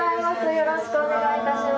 よろしくお願いします。